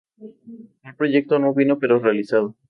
Tal proyecto no vino pero realizado.